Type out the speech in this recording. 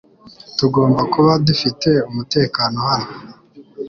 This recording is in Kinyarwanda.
Tugomba kuba dufite umutekano hano .